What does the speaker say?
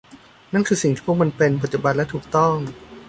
นั่นคือสิ่งที่พวกมันเป็น ปัจจุบันและถูกต้อง